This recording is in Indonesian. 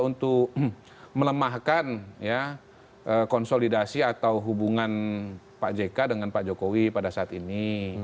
untuk melemahkan konsolidasi atau hubungan pak jk dengan pak jokowi pada saat ini